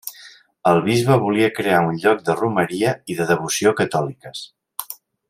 El bisbe volia crear un lloc de romeria i de devoció catòliques.